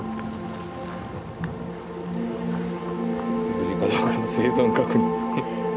無事かどうかの生存確認。